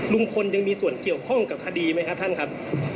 ลุงพลยังมีส่วนเกี่ยวข้องกับคดีไหมครับท่านครับ